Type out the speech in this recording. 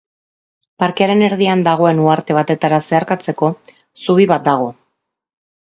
Parkearen erdian dagoen uharte batetara zeharkatzeko zubi bat dago.